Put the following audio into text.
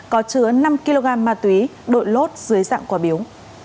có chứa năm kg ma túy đội lốt dưới dạng quả biếu